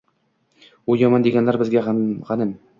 Uni yomon deganlar bizga g‘anim.